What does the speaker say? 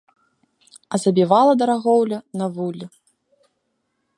А забівала дарагоўля на вуллі.